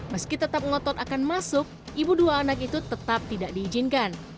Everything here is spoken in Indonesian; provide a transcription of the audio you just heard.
meski tetap ngotot akan masuk ibu dua anak itu tetap tidak diizinkan